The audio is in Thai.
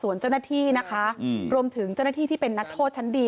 ส่วนเจ้าหน้าที่นะคะรวมถึงเจ้าหน้าที่ที่เป็นนักโทษชั้นดี